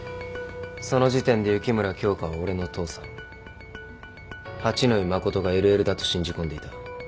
その時点で雪村京花は俺の父さん八野衣真がＬＬだと信じ込んでいた。